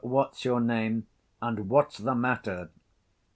What's your name? and what's the matter?